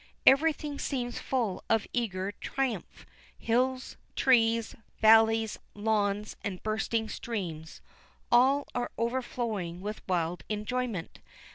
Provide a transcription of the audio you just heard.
Everything seems full of eager triumph. Hills, trees, valleys, lawns, and bursting streams, all are overflowing with a wild enjoyment.